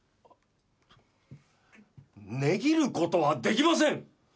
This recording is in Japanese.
値切る事はできません！